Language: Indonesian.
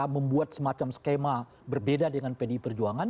membuat semacam skema berbeda dengan pdi perjuangan